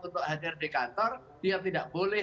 untuk hadir di kantor dia tidak boleh